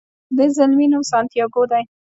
د دې زلمي نوم سانتیاګو دی.